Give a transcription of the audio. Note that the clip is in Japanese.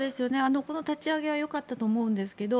この立ち上げはよかったと思うんですけど